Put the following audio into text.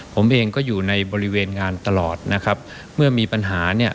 ผมเองก็อยู่ในบริเวณงานตลอดนะครับเมื่อมีปัญหาเนี่ย